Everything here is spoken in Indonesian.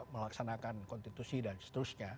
melaksanakan konstitusi dan seterusnya